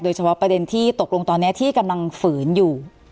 ประเด็นที่ตกลงตอนนี้ที่กำลังฝืนอยู่